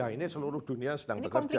ini seluruh dunia sedang bekerja